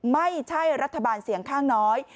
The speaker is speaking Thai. ไม่ใช่รัฐบาลเสียงข้างน้อย